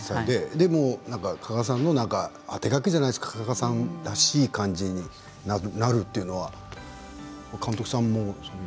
でも加賀さんの当て書きじゃないですけれども加賀さんらしい感じになるというのは監督さんも。